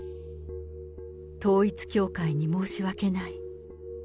統一教会に申し訳ない。